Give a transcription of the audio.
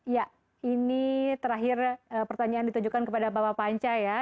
ya ini terakhir pertanyaan ditujukan kepada bapak panca ya